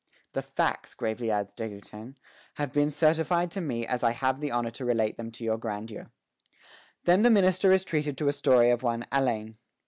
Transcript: "The facts," gravely adds De Goutin, "have been certified to me as I have the honor to relate them to your Grandeur." Then the minister is treated to a story of one Allein.